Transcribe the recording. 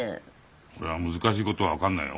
俺は難しいことは分かんねえよ。